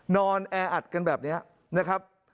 นอนแออัดกันแบบนี้นะครับ